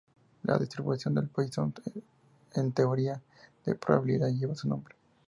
La distribución de Poisson en teoría de probabilidad lleva su nombre.